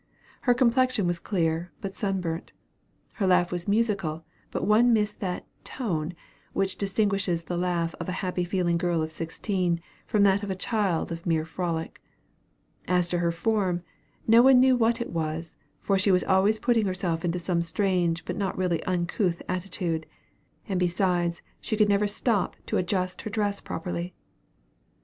Her complexion was clear, but sunburnt. Her laugh was musical, but one missed that tone which distinguishes the laugh of a happy feeling girl of sixteen from that of a child of mere frolic. As to her form, no one knew what it was; for she was always putting herself into some strange but not really uncouth attitude; and besides, she could never stop to adjust her dress properly.